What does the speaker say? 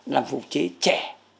làm phục chế trẻ